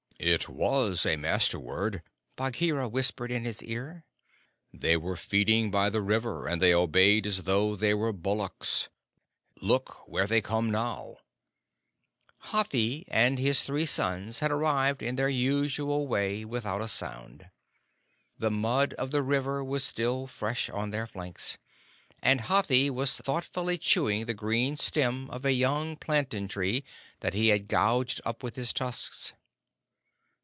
"It was a Master word," Bagheera whispered in his ear. "They were feeding by the river, and they obeyed as though they were bullocks. Look, where they come now!" Hathi and his three sons had arrived in their usual way, without a sound. The mud of the river was still fresh on their flanks, and Hathi was thoughtfully chewing the green stem of a young plantain tree that he had gouged up with his tusks.